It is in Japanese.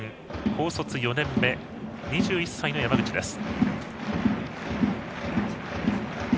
高卒４年目、２１歳の山口です。